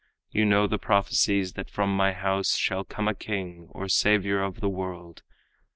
You know the prophecies, that from my house Shall come a king, or savior of the world.